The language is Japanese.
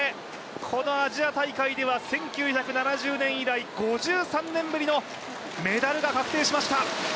このアジア大会では１９７０年以来５３年ぶりのメダルが確定しました。